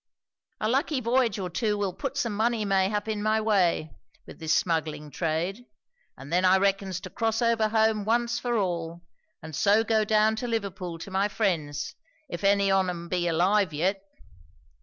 A lucky voyage or two will put some money mayhap in my way, with this smuggling trade; and then I reckons to cross over home once for all, and so go down to Liverpool to my friends, if any on um be alive yet."